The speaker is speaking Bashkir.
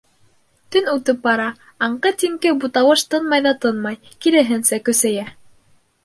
Төн үтеп бара, аңҡы-тиңке буталыш тынмай ҙа тынмай, киреһенсә, көсәйә.